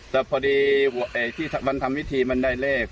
แต่พอดีที่มันทำพิธีมันได้เลข